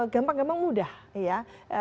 gampang gampang mudah ya